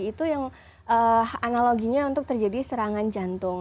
itu yang analoginya untuk terjadi serangan jantung